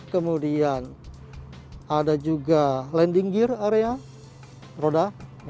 kemudian ada juga landing gear area roda